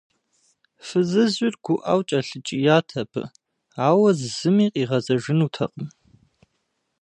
Фызыжьыр гуӀэу кӀэлъыкӀият абы, ауэ зыми къигъэзэжынутэкъым.